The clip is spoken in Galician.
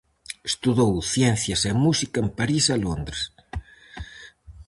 Estudou ciencias e música en París e Londres.